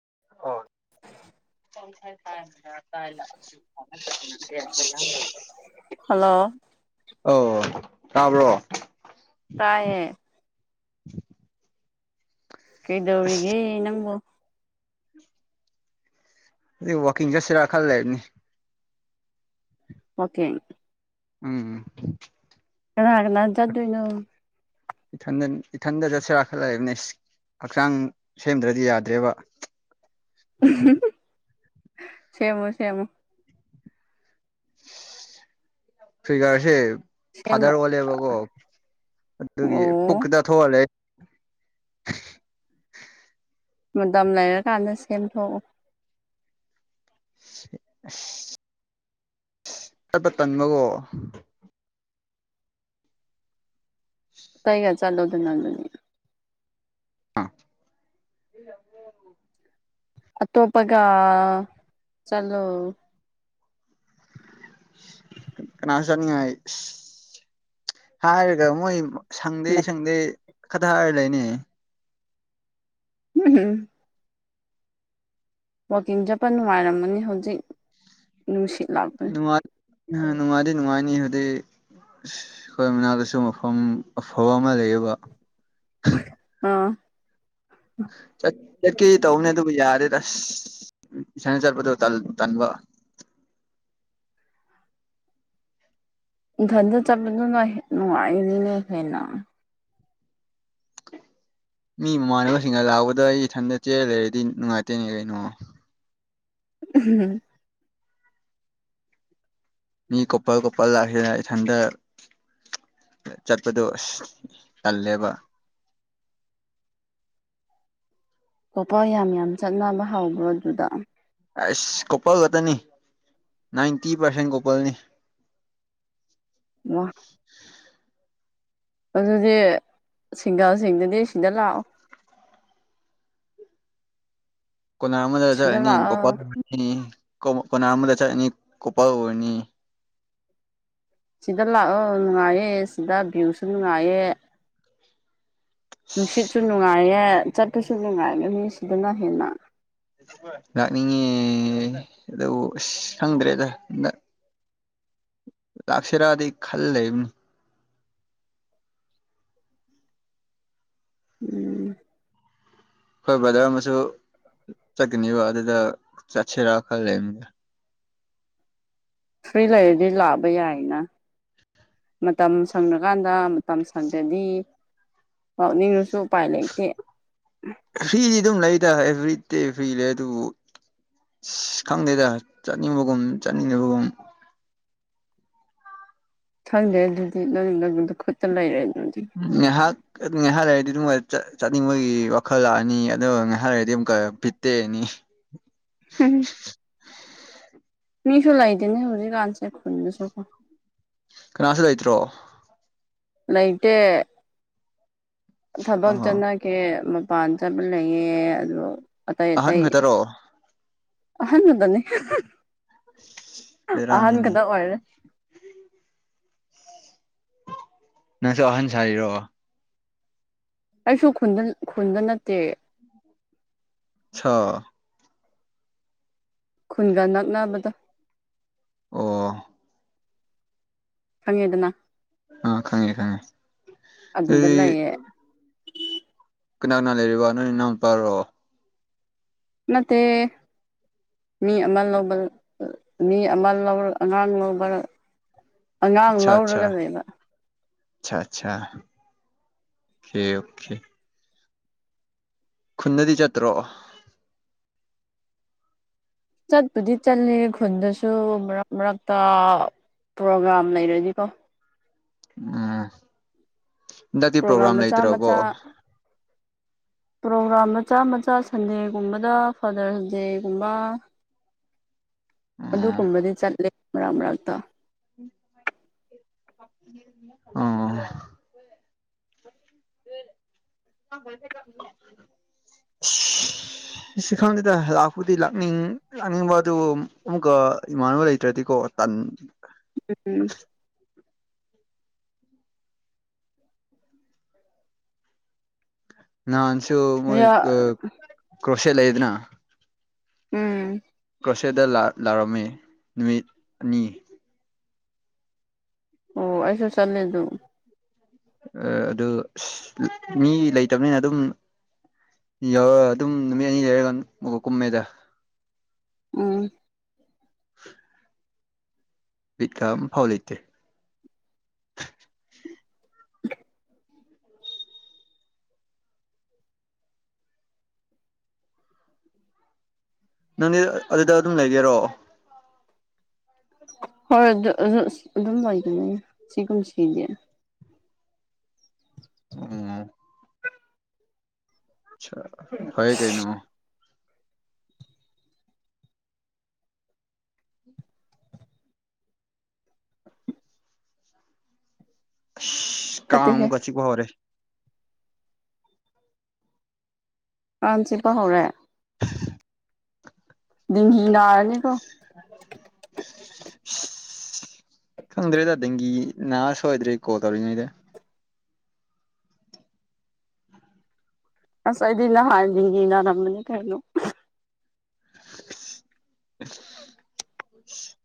ꯆ ꯀ ꯍꯜꯂꯣ ꯑ ꯇꯥꯕ꯭ꯔꯣ ꯇꯥꯏꯌꯦꯦ [unintelligible] ꯑꯁ ꯀꯩꯗꯧꯔꯤꯒ ꯅꯪꯕꯨ ꯋꯥꯣꯀꯤꯡ ꯆꯁ ꯔ ꯈꯔ ꯂꯩꯕꯅꯤ ꯑꯣꯀꯦ ꯎꯝ ꯀꯒꯅꯖꯗꯏꯅꯣ ꯏ ꯊꯟ ꯏ ꯊꯟꯗꯁꯦ ꯔꯈꯂꯅꯦ ꯍꯛꯆꯥꯡ ꯁꯦꯝꯗ꯭ꯔꯗꯤ ꯌꯥꯗ꯭ꯔꯦꯕ ꯁꯦꯝꯦꯃꯣ ꯁꯦꯃꯣ ꯊꯒꯁꯦ ꯁꯦꯝꯕ ꯐꯥꯗꯔ ꯑꯣꯜꯂꯦꯕꯀꯣ ꯑꯗꯨꯒꯤ ꯄꯨꯛ ꯑꯣ ꯈꯤꯗ ꯊꯣꯛꯍꯜꯂꯦ [unintelligible] ꯃꯇꯝ ꯂꯩꯔꯀꯥꯟꯗ ꯁꯦꯝꯊꯣꯛꯎ [unintelligible] ꯀꯠꯄ ꯇꯪꯕꯀꯣ ꯇꯥꯏꯒ ꯆꯜꯂꯣꯗ ꯑꯗꯨ ꯅꯅꯤ ꯑ [unintelligible] ꯑꯇꯣꯞꯄꯒ ꯆꯂꯣ ꯀꯅꯥ ꯆꯠꯅꯤꯡꯉꯥꯏ ꯍꯥꯏꯔꯒ ꯃꯣꯏ ꯁꯪꯗꯦ ꯁꯪꯗꯦ ꯈꯇ ꯍꯥꯏꯔ ꯂꯩꯅꯦ ꯍꯝ ꯋꯥꯛꯀꯤꯡ ꯆꯠꯄ ꯅꯨꯡꯉꯥꯏꯔꯝꯃꯅꯤ ꯍꯧꯖꯤꯛ ꯅꯨꯡꯁꯤꯠ ꯂꯥꯛꯄꯅꯦ ꯅꯨꯡ ꯅꯨꯡꯉꯔꯤ ꯅꯨꯡꯉꯥꯏꯅꯤ ꯑꯗꯤ ꯑꯩꯈꯣꯏ ꯃꯅꯥꯛꯇꯁꯨ ꯃꯐꯝ ꯑꯐꯕ ꯑꯃ ꯂꯩꯌꯦꯕ ꯑꯥ ꯆ ꯆꯠꯀꯤ ꯇꯧꯅꯦ ꯑꯗꯨꯕꯨ ꯌꯥꯔꯦ ꯇꯁ ꯏꯁꯅ ꯆꯠꯄꯗꯨ ꯇꯟꯕ ꯅꯊꯟꯗ ꯆꯠꯗꯨꯅ ꯍꯅꯨꯡꯉꯏꯅꯤꯅꯦ ꯍꯦꯅ ꯃꯤ ꯃꯃꯥꯟꯅꯕꯁꯤꯡꯒ ꯂꯥꯛꯕꯗ ꯑꯩ ꯏꯊꯟꯇ ꯆꯦꯔ ꯂꯩꯔꯗꯤ ꯅꯨꯡꯉꯥꯏꯇꯦꯅꯦ ꯀꯩꯅꯣ ꯎꯝ ꯃꯤ ꯀꯣꯄꯜ ꯀꯣꯄꯜ ꯂꯥꯛ ꯏꯊꯟꯗ ꯆꯠꯄꯗꯣ ꯑꯁ ꯇꯜꯂꯦꯕ ꯑꯣꯄ ꯌꯥꯝ ꯌꯥꯝ ꯆꯠꯅꯕ ꯍꯥꯎꯕ꯭ꯔꯣ ꯑꯗꯨꯗ ꯑꯁ ꯀꯣꯄꯜ ꯈꯛꯇꯅꯤ ꯅꯥꯏꯟꯇꯤ ꯄꯔꯁꯦꯟ ꯀꯣꯄꯜꯅꯤ [unintelligible] ꯋꯥ ꯑꯗꯨꯗꯤ ꯁꯤꯡꯒꯜꯁꯤꯡꯗꯗꯤ ꯁꯤꯗ ꯂꯥꯛꯑꯣ ꯀꯣꯅꯥ ꯑꯃꯗ ꯁꯤꯗ ꯆꯠꯂꯅꯤ ꯂꯥꯛꯑꯣ ꯒꯣꯄꯥꯜꯅꯤ [inaudible] ꯀ ꯀꯅꯥ ꯑ ꯑꯃꯗ ꯆꯅꯤ ꯀꯣꯄꯥꯅꯤ ꯁꯤꯗ ꯂꯥꯛꯑꯣ ꯅꯨꯡꯉꯥꯏꯌꯦ ꯁꯤꯗ ꯚ꯭ꯌꯨꯁꯨ ꯅꯨꯡꯉꯥꯏꯌꯦ ꯅꯨꯡꯁꯤꯠꯁꯨ ꯅꯨꯡꯉꯥꯏꯌꯦ ꯆꯠꯄꯁꯨ ꯅꯨꯡꯉꯥꯏꯒꯅꯤ ꯁꯤꯗꯅ ꯍꯦꯟꯅ ꯂꯥꯛꯅꯤꯡꯉꯦ ꯑꯗꯨ ꯑꯁ ꯈꯪꯗ꯭ꯔꯦꯗ ꯂꯁꯔꯗꯤ ꯈꯜ ꯂꯩꯅꯤ ꯎꯝ ꯍꯣꯏ ꯕꯗꯔ ꯑꯃꯁꯨ ꯆꯠꯀꯅꯤꯕ ꯑꯗꯨꯗ ꯆꯠꯁꯤꯔꯥ ꯈꯔ ꯂꯩꯔꯝꯗ ꯐꯔꯤ ꯂꯩꯗꯤ ꯂꯕ ꯌꯥꯏꯅ ꯃꯇꯝ ꯁꯪꯅꯀꯥꯟꯗ ꯃꯇꯝ ꯁꯪꯗ꯭ꯔꯗꯤ ꯄꯥꯛꯅꯤꯡꯅꯁꯨ ꯄꯥꯏ ꯂꯩꯇꯦ ꯐ꯭ꯔꯤꯗꯤ ꯑꯗꯨꯝ ꯂꯩꯗ ꯑꯦꯚ꯭ꯔꯤꯗꯦꯚ꯭ꯔꯤ ꯂꯩ ꯑꯗꯨꯕꯨ ꯑ ꯈꯪꯗꯦꯗ ꯆꯠꯅꯤꯡꯕꯒꯨꯝ ꯆꯠꯅꯤꯡꯗꯕꯒꯨꯝ ꯈꯪꯗꯦ ꯑꯗꯨꯗꯤ ꯅꯪ ꯅꯪꯗ ꯈꯨꯠꯇ ꯂꯩꯔꯦꯅꯦ ꯅꯅꯤꯍꯥꯛꯅꯤꯍꯥ ꯍꯥꯏꯗꯔ ꯆꯠꯅꯤꯡꯕꯒꯤ ꯋꯥꯈꯜ ꯂꯥꯛꯑꯅꯤ ꯑꯗꯨꯒ ꯉꯥꯏꯍ ꯍꯥꯏꯔꯒꯗꯤ ꯑꯃꯨꯛꯀ ꯄꯤꯠꯇꯦꯅꯤ ꯎꯝ ꯃꯤꯁꯨꯣꯂꯥꯏꯗꯅꯦ ꯍꯧꯖꯤꯛ ꯀꯥꯟ ꯆꯦ ꯈꯣꯟꯗꯁꯨꯀꯣ ꯀꯅꯥꯁꯨ ꯂꯩꯇ꯭ꯔꯣ ꯅꯥꯏꯇ ꯊꯕꯛ ꯑꯣ ꯆꯠꯅꯈꯤꯦ ꯃꯄꯥꯟ ꯆꯠꯄ ꯂꯩꯌꯦꯦ ꯑꯗꯨ ꯑꯇꯩ ꯑꯍꯟ ꯑꯇꯩꯇꯩ ꯈꯛꯇꯔꯣ ꯑꯍꯅꯗꯅꯤ ꯑꯍꯥꯟ ꯕꯦꯔꯥꯅꯤꯅꯦ ꯀꯗ ꯑꯣꯏꯔ ꯅꯪꯁꯨ ꯑꯍꯟ ꯁꯥꯏꯔꯣ ꯑꯩꯁꯨ ꯈꯨꯟꯗ ꯈꯨꯟꯗ ꯅꯠꯇꯦ ꯆ [unintelligible] ꯈꯨꯟꯒ ꯅꯛꯅꯕꯗꯣ ꯑꯣ ꯐꯉꯦꯗꯅ ꯑ ꯈꯪꯉꯦ ꯈꯪꯉꯦ ꯑꯗꯨꯗꯂꯑꯦ ꯀꯅꯥꯅꯥ ꯂꯩꯔꯤꯕ ꯅ ꯏ ꯅꯝ ꯄꯥꯔꯣ ꯅꯇ ꯃꯤ ꯑꯃ ꯂꯧꯕ ꯃꯤ ꯑꯃ ꯂꯧꯔ ꯑꯉꯥꯡ ꯂꯧꯕ ꯑꯉꯥꯡ ꯂꯧꯔꯒꯅꯦꯅ ꯑꯆꯥ ꯑꯆꯥꯦ ꯑꯣꯦ ꯈꯨꯟꯗꯗꯤ ꯆꯠꯇ꯭ꯔꯣ ꯆꯠꯕꯨꯗꯤ ꯆꯠꯂ ꯈꯣꯟꯗꯁꯨ ꯃꯔꯛꯇ ꯄ꯭ꯔꯣꯒꯥ꯭ꯔꯥꯝ ꯂꯩꯔꯅꯤꯀꯣ ꯎꯝ ꯏ ꯅꯗꯤ ꯄ꯭ꯔꯣꯒ꯭ꯔꯥꯝ ꯄꯣꯒ꯭ꯔꯝ ꯃꯆꯥ ꯂꯩꯇ꯭ꯔꯣꯕꯣ ꯃꯆꯥ [inaudible] ꯄ꯭ꯔꯣꯒ꯭ꯔꯥꯝ ꯃꯆꯥ ꯃꯆꯥ ꯁꯟꯗꯦꯒꯨꯝꯕꯗ ꯐꯥꯗꯔꯁ ꯗꯦꯒꯨꯝꯕ ꯎꯝ ꯑꯗꯨꯒꯨꯝꯕꯗꯤ ꯆꯠꯂꯦ ꯃꯔꯛ ꯃꯔꯛꯇ ꯑꯥ ꯐꯁ ꯈꯪꯗꯦꯗ ꯂꯥꯛꯄꯨꯗꯤ ꯂꯥꯛꯅꯤꯡ ꯂꯥꯛꯅꯤꯡꯕ ꯑꯗꯨ ꯑꯃꯨꯛꯀ ꯏꯃꯥꯟꯅꯕ ꯂꯩꯇ꯭ꯔꯗꯤꯀꯣ ꯃ ꯇꯥꯟ ꯎꯝ ꯅꯍꯥꯟꯁꯨ ꯃꯣꯏ ꯀ꯭ꯔꯣꯁꯦꯠ ꯂꯩꯗꯅ ꯎꯝ ꯀ꯭ꯔꯣꯁꯦꯗ ꯂꯥ ꯂꯥꯎꯔꯝꯃꯤ ꯅꯨꯃꯤꯠ ꯑꯅꯤ ꯑꯣ ꯑꯁꯥ ꯆꯠꯂꯦ ꯗꯨꯝ ꯑꯗꯨ ꯑꯁ ꯃꯤ ꯂꯩꯇꯝꯅꯤꯅ ꯑꯗꯨꯝ ꯌꯧꯔ ꯑꯗꯨꯝ ꯅꯨꯃꯤꯠ ꯑꯅꯤ ꯂꯩꯔꯒ ꯀꯨꯝꯃꯦꯗ ꯎꯝ [inaudible] ꯕꯤꯠꯀ ꯑꯝꯐꯥꯎ ꯂꯩꯇꯦ [inaudible] ꯅꯪꯗꯤ ꯑꯗꯨꯗ ꯑꯗꯨꯝ ꯂꯩꯒꯦꯔꯣ ꯍꯣꯏ ꯑꯗꯨ ꯑꯗꯨꯝ ꯂꯏꯒꯅꯤ ꯁꯤꯒꯨꯝ ꯁꯤꯗꯤ ꯎꯝ ꯐꯌꯦ ꯀꯩꯅꯣ ꯀꯥ ꯐꯠꯇꯦꯍꯦ ꯑꯃꯨꯛꯀ ꯆꯤꯛꯄ ꯍꯧꯔꯦ ꯀꯥꯡ ꯆꯤꯞꯄ ꯍꯧꯔꯦ ꯗꯤꯡꯒꯤ ꯅꯥꯔꯔꯤꯅꯤꯀꯣ [inaudible] ꯈꯪꯗꯔꯦꯗ ꯗꯦꯡꯒꯤ ꯅꯥꯁꯨꯣꯏꯗ꯭ꯔꯤ ꯀꯣꯜ ꯇꯧꯔꯤꯉꯗꯦ ꯑꯁꯗꯤ ꯅ ꯍꯥꯥꯟ ꯗꯤꯡꯒꯤ ꯅꯥꯔꯝꯕꯅꯤ ꯀꯩꯅꯣ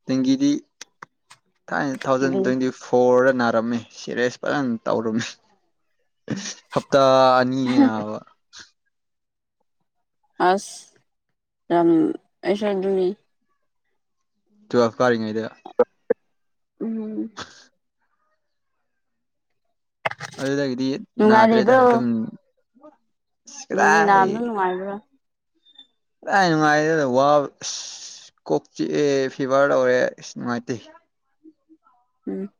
ꯇꯤꯡꯒꯤꯗꯤ ꯊꯥꯏꯅ ꯊꯥꯎꯖꯟ ꯇ꯭ꯋꯦꯟꯇꯤ ꯐꯣꯔꯗ ꯅꯥꯔꯝꯃꯤ ꯁꯦꯔꯦꯁ ꯐꯖꯅ ꯇꯧꯔꯝꯃꯤ ꯍꯞꯇꯥ ꯑꯅꯤꯌꯦ ꯑꯕ ꯑꯁ ꯌꯥꯝ ꯑꯩꯁꯨ ꯑꯗꯨꯅꯤ ꯇꯋꯦꯜ ꯀꯥꯔꯤ ꯉꯩꯏ ꯗ ꯎꯝ ꯑꯗꯨꯗꯒꯤꯗꯤ ꯅꯥꯗ꯭ꯔꯦꯗ ꯑꯗꯨꯝ ꯗꯤꯡꯒꯤ ꯅꯥꯕꯗꯨ ꯅꯨꯡꯉꯥꯏꯕ꯭ꯔꯥ ꯀꯔꯥꯏ ꯅꯨꯡꯉꯥꯏꯒꯗꯔ꯭ ꯋꯥ ꯑꯁ ꯀꯣꯛ ꯆꯤꯛꯦ ꯐꯤꯚꯔ ꯂꯧꯔꯦ ꯑꯁ ꯅꯨꯡꯉꯥꯏꯇꯦ ꯎꯝ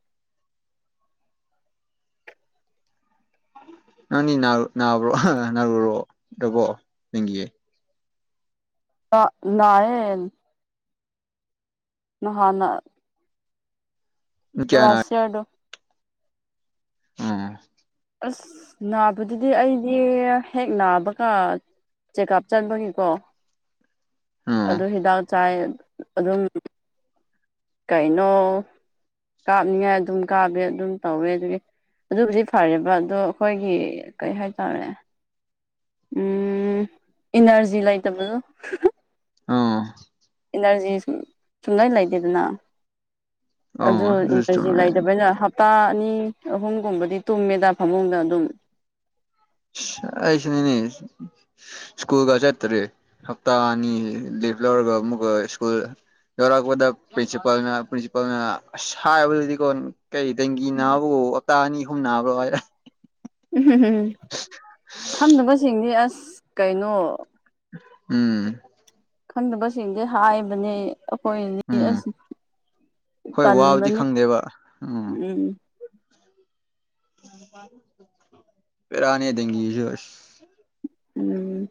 ꯅꯪꯅꯤꯅꯥ ꯅꯥꯕ꯭ꯔꯣ ꯅꯥꯔꯨꯔꯣ ꯗꯨꯒꯣ ꯗꯤꯡꯒꯤ ꯑ ꯅꯥꯌꯦꯟ ꯅꯍꯥꯟꯅ ꯀꯌꯥ ꯋꯥꯁꯌꯥꯔꯗꯣ ꯎꯝ ꯑꯁ ꯅꯥꯕꯗꯨꯗꯤ ꯑꯩꯗꯤ ꯍꯦꯛ ꯅꯥꯕꯒ ꯆꯦꯛꯑꯞ ꯆꯟꯕꯒꯤꯀꯣ ꯑꯣ ꯑꯗꯨ ꯍꯤꯗꯥꯛ ꯆꯥꯏ ꯑꯗꯨꯝ ꯀꯩꯅꯣ ꯀꯥꯞꯅꯤꯡꯉꯥꯏ ꯑꯗꯨꯝ ꯀꯥꯞꯕ ꯑꯗꯨꯝ ꯇꯧꯋꯦ ꯑꯗꯨꯒꯤ ꯑꯗꯨꯕꯨꯗꯤ ꯐꯔꯦꯕ ꯑꯗꯣ ꯑꯈꯣꯏꯒꯤ ꯀꯩ ꯍꯥꯏꯇꯥꯔꯦ ꯎꯝ ꯏꯅꯔꯖꯤ ꯂꯩꯇꯕꯜ ꯑꯣ ꯏꯅꯔꯖꯤ ꯁꯨꯝ ꯁꯨꯡꯂꯩ ꯂꯩꯇꯦꯗꯅ ꯑꯣ ꯑꯗꯨ ꯑꯗꯨꯁꯨ ꯏꯅꯔꯖꯤ ꯆꯨꯝꯃꯦ ꯂꯩꯇꯕꯅ ꯍꯞ ꯇꯥ ꯑꯅꯤ ꯑꯍꯨꯝꯒꯨꯝꯕꯗꯤ ꯇꯨꯝꯃꯦꯗ ꯐꯃꯨꯡꯗ ꯑꯗꯨꯝ ꯑꯩꯁꯨꯅꯤꯅꯦ ꯁ꯭ꯀꯨꯜꯒ ꯆꯠꯇ꯭ꯔꯦ ꯍꯞꯇꯥ ꯑꯅꯤ ꯂꯤꯞ ꯂꯧꯔꯒ ꯑꯃꯨꯛ ꯁ꯭ꯀꯨꯜ ꯌꯧꯔꯛꯄꯗ ꯄ꯭ꯔꯤꯟꯁꯤꯄꯥꯜꯅ ꯄ꯭ꯔꯤꯟꯁꯤꯄꯥꯜꯅ ꯑꯁ ꯍꯥꯏꯕꯗꯨꯗꯤ ꯀꯣ ꯀꯩ ꯗꯦꯡꯒꯤꯅꯥꯕꯎ ꯇ ꯑꯅꯤ ꯍꯨꯝ ꯅꯥꯕꯔꯣ ꯍꯥꯏꯔ ꯎꯝ ꯎꯝ ꯈꯪꯗꯕꯁꯤꯡꯗꯤ ꯑꯁ ꯀꯩꯅꯣ ꯎꯝ ꯈꯪꯗꯕꯁꯤꯡꯗꯤ ꯍꯥꯏꯕꯅꯦ ꯈꯣꯏꯅꯤ ꯎꯝ ꯍꯣꯏ ꯋꯥꯕꯗꯤ ꯀꯟꯕꯅꯤ ꯈꯪꯗꯦꯕ ꯎꯝ ꯐꯔ ꯑꯅꯦ ꯗꯒꯦꯁꯨꯕꯁ ꯎꯝ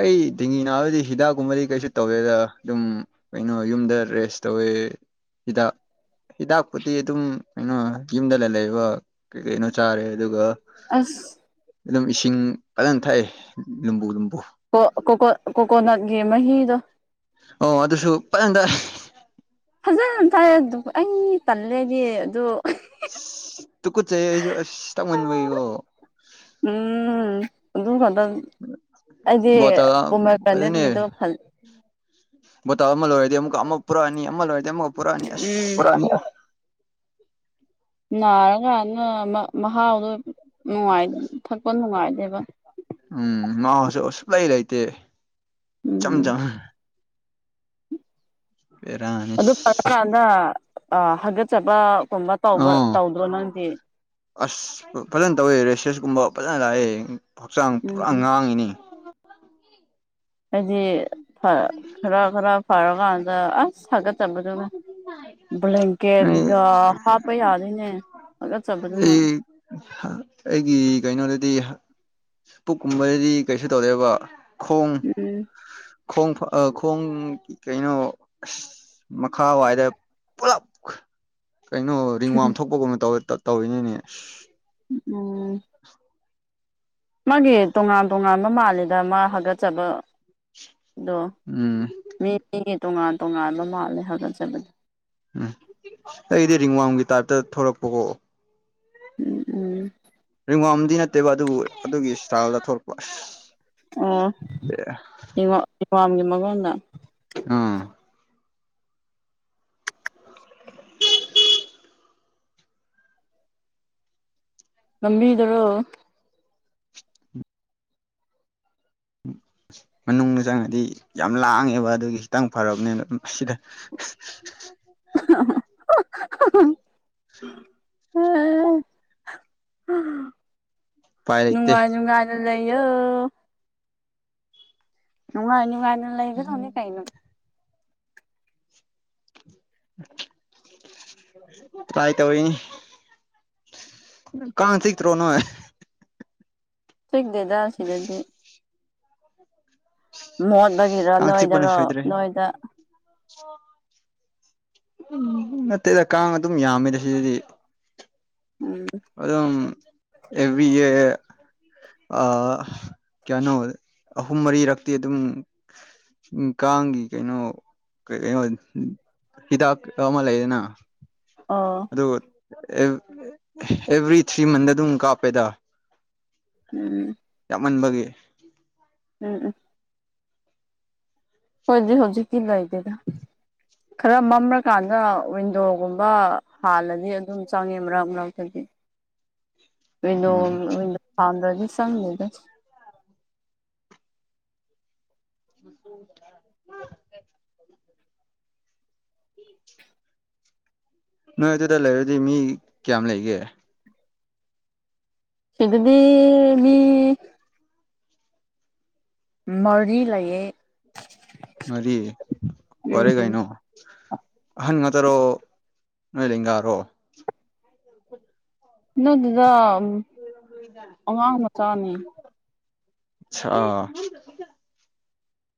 ꯑꯩ ꯗꯦꯡꯒꯤ ꯅꯥꯕꯗꯤ ꯍꯤꯗꯥꯛꯀꯨꯝꯕꯗꯤ ꯀꯩꯁꯨ ꯇꯧꯋꯦꯗ ꯑꯗꯨꯝ ꯀꯩꯅꯣ ꯌꯨꯝꯗ ꯔꯦꯁ ꯇꯧꯋꯦ ꯏꯗ ꯍꯤꯗꯥꯛꯄꯨꯗꯤꯤ ꯑꯗꯨꯝ ꯀꯩꯅꯣ ꯌꯨꯝꯗꯅ ꯂꯩꯕ ꯀꯩ ꯀꯩꯅꯣ ꯆꯥꯔꯦ ꯑꯗꯨꯒ ꯑꯁ ꯑꯗꯨꯝ ꯏꯁꯤꯡ ꯐꯖꯪ ꯊꯛꯑꯦ ꯂꯨꯝꯕꯨ ꯂꯨꯝꯕꯨ ꯀ ꯀꯣꯀꯣ ꯀꯣꯀꯣꯅꯠꯒꯤ ꯃꯍꯗ ꯑꯣ ꯑꯗꯨꯁꯨ ꯐ ꯇꯦ ꯐꯖ ꯇꯥꯏ ꯑꯗꯨ ꯑꯩ ꯇꯜꯂꯦꯗꯤ ꯑꯗꯨ ꯇꯨ ꯀ ꯆꯁꯨ ꯑꯁ ꯃꯟꯕ ꯎꯝ ꯑꯗꯨ ꯈꯗ ꯑꯩꯗꯤ ꯕꯣꯇꯜ ꯄꯃ ꯀꯅꯦꯠꯒꯤꯗꯣ ꯐꯜꯂꯤ ꯑꯊ ꯑꯜ ꯑꯣꯏꯗꯤ ꯑꯨꯛ ꯑꯛ ꯄꯨꯔꯥꯅꯤ ꯑꯃꯜ ꯑꯣꯏ ꯑꯃꯛ ꯄꯨꯔꯥꯅꯤ ꯑꯁ ꯎꯝ [unintelligible] ꯅꯥꯔꯀꯥꯟꯅ ꯃꯍꯥꯎꯗꯣ ꯅꯨꯡꯉꯥꯏ ꯊꯛꯄ ꯅꯨꯡꯉꯥꯏꯗꯦꯕ ꯎꯝ ꯉꯁꯨ ꯑ ꯁꯛꯂꯩ ꯂꯩꯇꯦ ꯏꯆꯝ ꯎꯝ ꯆꯝ ꯕꯦꯔꯥꯅꯤ ꯑꯗꯨ ꯄꯥꯅ ꯍꯥꯒꯠꯆꯕ ꯎ ꯑꯁ ꯐꯖꯅ ꯇꯧꯋꯦ ꯔꯦꯁꯦꯁꯀꯨꯝꯕ ꯐꯖꯅ ꯂꯥꯛꯑꯦ ꯍꯛꯆꯥꯡ ꯄꯨꯔꯥ ꯎꯝ ꯉꯥꯡꯉꯤꯅꯤ ꯍꯥꯏꯗꯤ ꯈꯔ ꯈꯔ ꯐꯔꯀꯥꯟꯗ ꯑꯁ ꯊꯛꯒ ꯆꯠꯂꯗ ꯑꯩ ꯕ꯭ꯂꯦꯟꯀꯦꯠꯒ ꯍꯥꯞꯄ ꯌꯥꯗꯅꯦ ꯑꯣ ꯆꯕ ꯑꯗꯨꯅ ꯑꯩ ꯑꯩꯒꯤ ꯀꯩꯅꯣꯗꯗꯤ ꯄꯨꯛꯀꯨꯝꯕꯗꯗꯤ ꯀꯩꯁꯨ ꯇꯧꯔꯦꯕ ꯈꯣꯡ ꯎꯝ ꯈꯣꯡ ꯈꯣꯡ ꯀꯩꯅꯣ ꯃꯈꯥ ꯋꯥꯏꯗ ꯄꯨꯂꯞ ꯀꯩꯅꯣ ꯔꯤꯡ ꯋꯥꯝ ꯊꯣꯛꯄꯒꯨꯝꯕ ꯇꯧꯋꯦ ꯇꯧꯏꯅꯦꯅꯦ ꯑꯁ ꯎꯝ [unintelligible] ꯃꯥꯒꯤ ꯇꯣꯉꯥꯟ ꯇꯣꯉꯥꯟꯕ ꯃꯥꯜꯂꯤꯗ ꯃꯥ ꯍꯥꯀꯠꯆꯕ ꯑꯗꯣ ꯎꯝ ꯃꯤ ꯃꯤꯒꯤ ꯇꯣꯉꯥꯟ ꯇꯣꯉꯥꯟꯕ ꯃꯥꯜꯂꯦ ꯍꯥꯒꯠꯆꯕꯅꯦ ꯎꯝ ꯑꯩꯗꯤ ꯔꯤꯡꯋꯥꯡꯒꯤ ꯇꯥꯏꯞꯇ ꯊꯂꯛꯄꯀꯣ ꯎꯝ ꯎꯝ ꯔꯤꯡꯋꯥꯝꯗꯤ ꯅꯠꯇꯦꯕ ꯑꯗꯨꯕꯨ ꯑꯗꯨꯒꯤ ꯏꯁꯇꯥꯏꯜꯗ ꯊꯣꯛꯂꯛꯄ ꯑꯣ ꯍꯋꯥꯝꯒꯤ ꯃꯒꯣꯟꯗ ꯑꯥ ꯉꯝꯕꯤꯗꯔꯣ ꯎꯝ ꯃꯅꯨꯡꯗ ꯆꯪꯉꯗꯤ ꯌꯥꯝ ꯂꯥꯡꯉꯦꯕ ꯑꯗꯨꯒꯤ ꯈꯤꯇꯪ ꯐꯔꯕꯅꯤꯅ ꯑꯁꯤꯗ [unintelligible] [unintelligible] ꯎꯄꯥꯏ ꯂꯩꯇꯦ ꯅꯨꯡꯉꯥꯏ ꯅꯨꯡꯉꯥꯏꯅ ꯂꯩ ꯑ ꯅꯉ ꯑꯩꯅ ꯀꯥꯏꯅ ꯂꯩꯥꯏ ꯊꯣꯅꯤ ꯀꯥꯏꯩꯅꯣ ꯇꯥꯏ ꯇ ꯑꯣꯏꯅꯤ ꯀꯥꯟ ꯊ ꯇ꯭ꯔꯣꯅꯦ ꯁꯒꯗꯦꯗ ꯁꯤꯗꯗꯤ ꯃꯣꯠꯕꯒꯤꯔꯣ ꯅꯣꯏꯗꯔꯣ ꯅꯣꯏꯗ ꯑꯣ ꯎꯝ ꯅꯠꯇꯦꯗ ꯀꯥꯡ ꯑꯗꯨꯝ ꯌꯥꯝꯃꯦꯗ ꯁꯤꯗꯗꯤ ꯎꯝ ꯑꯗꯨ ꯑꯦꯐꯕꯤꯤ ꯑꯦ ꯀꯌꯥꯩꯅꯣ ꯑꯍꯨꯝ ꯃꯔꯤꯔꯛꯇꯤ ꯑꯗꯨꯝ ꯎ ꯀꯥꯟꯒꯤ ꯀꯩꯅꯣ ꯀꯩꯅꯣ ꯏꯗ ꯑꯃ ꯑꯃ ꯂꯩꯗꯦꯅ ꯑꯥ ꯑꯦꯚ꯭ꯔꯤ ꯊ꯭ꯔꯤ ꯃꯟ ꯑꯗꯨꯝ ꯀꯥꯞꯄꯦꯗ ꯎꯝ ꯃꯟꯕꯒꯦ ꯎꯝ ꯎꯝ ꯍꯧꯖꯤ ꯍꯧꯖꯤ ꯀ ꯂꯏꯗꯦꯒ ꯈꯔ ꯃꯝꯔꯀꯥꯟꯗ ꯋꯤꯟꯗꯣꯒꯨꯝꯕ ꯍꯥꯜꯂꯗꯤ ꯑꯗꯨꯝ ꯆꯪꯉꯦ ꯃꯔꯛ ꯃꯔꯛꯇꯗꯤ [unintelligible] ꯎꯝ ꯗꯣ ꯐꯗꯅꯤ ꯆꯪꯅꯤꯗ [unintelligible] ꯅꯣꯏ ꯑꯗꯨꯗ ꯂꯩꯔꯗꯤ ꯃꯤ ꯀꯌꯥꯝ ꯂꯩꯒꯦ ꯁꯤꯗꯗꯤ ꯃꯤ ꯃꯔꯤ ꯂꯩꯌꯦ ꯃꯔꯤ ꯐꯔꯦ ꯎꯝ ꯀꯥꯏꯅꯣ ꯍꯪ ꯉ ꯇꯔꯣ ꯅꯣꯏꯣꯏꯜꯂꯤꯒꯔꯣ ꯅ ꯑꯗꯨꯗ [unintelligible] ꯑꯆꯥ